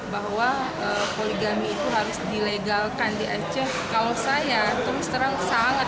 bahwa poligami itu harus dilegalkan di aceh kalau saya terus terang sangat